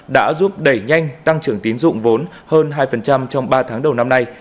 đã giúp đẩy nhanh tăng trưởng tín dụng vốn hơn hai trong ba tháng đầu năm nay